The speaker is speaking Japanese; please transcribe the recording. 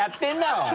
おい。